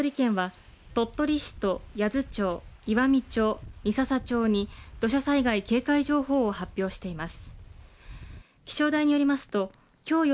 気象台と鳥取県は、鳥取市と八頭町岩美町、三朝町に土砂災害警戒情報を発表しています。